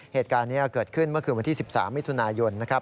เหตุการณ์นี้เกิดขึ้นเมื่อคืนวันที่๑๓มิถุนายนนะครับ